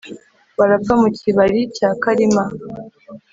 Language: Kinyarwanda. Barapfa mu Kibari cya Kalima